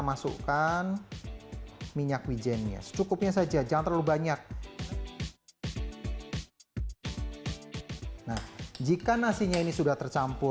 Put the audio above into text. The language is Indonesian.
masukkan minyak wijennya secukupnya saja jangan terlalu banyak nah jika nasinya ini sudah tercampur